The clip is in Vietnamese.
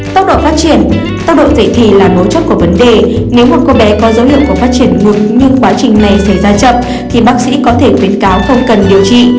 tốc độ phát triển tốc độ giải thể là mấu chốt của vấn đề nếu một cô bé có dấu hiệu của phát triển ngược nhưng quá trình này xảy ra chậm thì bác sĩ có thể khuyến cáo không cần điều trị